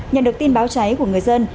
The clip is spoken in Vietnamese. nhận được tin báo cháy của ngư dân